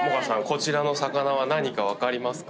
こちらの魚は何か分かりますか？